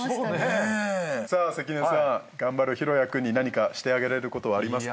さあ関根さん頑張る大也君に何かしてあげれることはありますか？